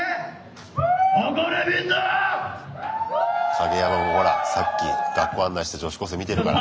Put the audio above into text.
カゲヤマもほらさっき学校案内して女子高生見てるから。